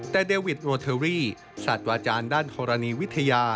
แต่เดวิดโรเทอรี่สัตว์อาจารย์ด้านธรณีวิทยา